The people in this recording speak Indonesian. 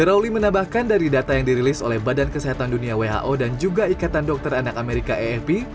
iroli menambahkan dari data yang dirilis oleh badan kesehatan dunia who dan juga ikatan dokter anak amerika efp